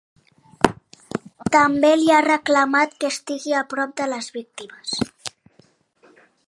També li ha reclamat que estigui a prop de les víctimes.